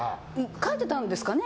書いてたんですかね。